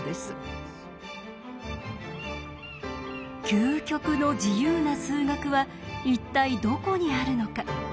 究極の自由な数学は一体どこにあるのか。